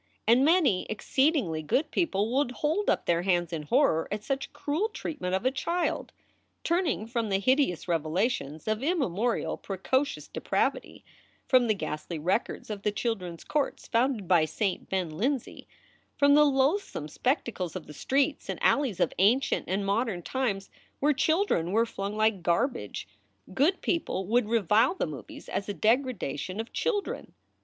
And many exceedingly good people would hold up their hands in horror at such cruel treatment of a child. Turning from the hideous revelations of immemorial precocious depravity, from the ghastly records of the children s courts founded by Saint Ben Lindsey, from the loathsome spec tacles of the streets and alleys of ancient and modern times where children were flung like garbage, good people would revile the movies as a degradation of children.